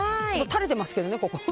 垂れてますけどね、ここ。